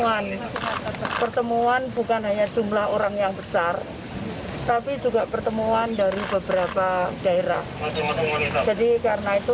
pertemuan bukan hanya jumlah orang yang besar tapi juga pertemuan dari beberapa daerah jadi karena itu